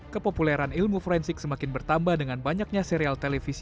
kepopuleran ilmu forensik semakin bertambah dengan banyaknya serial televisi